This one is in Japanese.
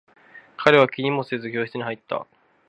彼は気にもせず、教室に入った。